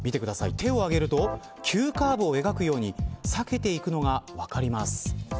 手を挙げると急カーブを描くように避けていくのが分かります。